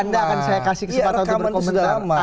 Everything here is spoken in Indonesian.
anda akan saya kasih kesempatan untuk berkomentar